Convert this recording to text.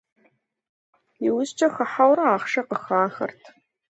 Иужькӏэ хыхьэурэ ахъшэ къыхахырт.